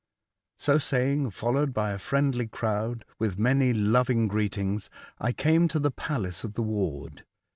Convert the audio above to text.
So saying, followed by a friendly crowd, with many loving greetings, I came to the palace of the ward.